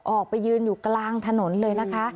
ออกไปยืนอยู่กลางถนนเลยนะคะ